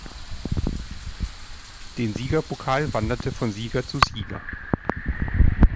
Den Siegerpokal wanderte von Sieger zu Sieger.